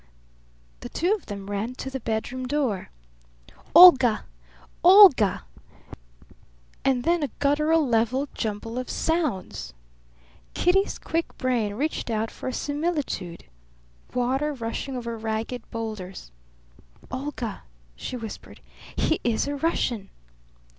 The two of them ran to the bedroom door. "Olga! Olga!" And then a guttural level jumble of sounds. Kitty's quick brain reached out for a similitude water rushing over ragged boulders. "Olga!" she whispered. "He is a Russian!"